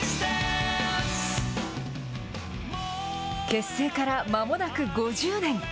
結成からまもなく５０年。